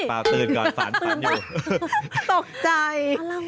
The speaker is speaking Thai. ปาตื้นก่อนฝันตกใจ